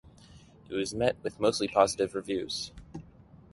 It was met with mostly positive reviews.